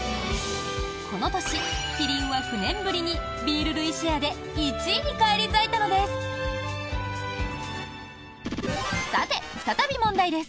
この年、キリンは９年ぶりにビール類シェアで１位に返り咲いたのです。